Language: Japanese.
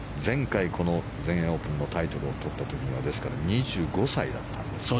前回、この全英オープンのタイトルを取った時には２５歳だったんですが。